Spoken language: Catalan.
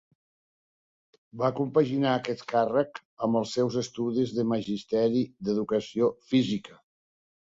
Va compaginar aquest càrrec amb els seus estudis en Magisteri d'Educació Física.